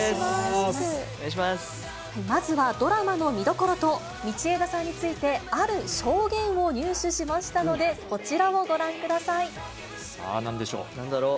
まずはドラマの見どころと、道枝さんについて、ある証言を入手しましたので、こちらをご覧くさあ、なんだろう？